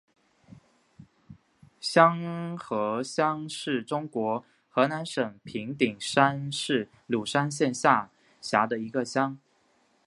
瀼河乡是中国河南省平顶山市鲁山县下辖的一个乡。